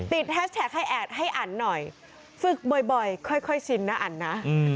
แฮชแท็กให้แอดให้อันหน่อยฝึกบ่อยค่อยชินนะอันนะ